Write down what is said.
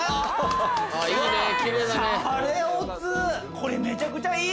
これめちゃくちゃいい！